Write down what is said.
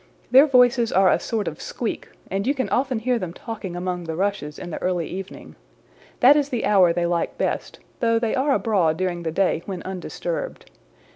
Their voices are a sort of squeak, and you can often hear them talking among the rushes in the early evening. That is the hour they like best, though they are abroad during the day when undisturbed.